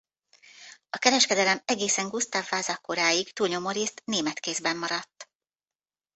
A kereskedelem egészen Gustav Vasa koráig túlnyomórészt német kézben maradt.